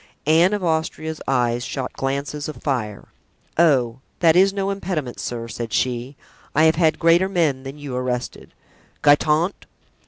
Anne of Austria's eyes shot glances of fire. "Oh! that is no impediment, sir," said she; "I have had greater men than you arrested—Guitant!"